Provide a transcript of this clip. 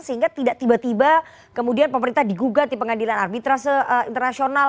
sehingga tidak tiba tiba kemudian pemerintah digugat di pengadilan arbitra internasional